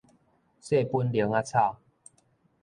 細本奶仔草